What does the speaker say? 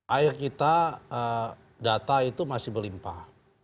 air kita data itu masih berlimpah